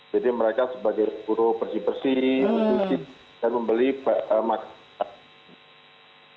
jadi mereka sebagai burung bersih bersih dan membeli makanan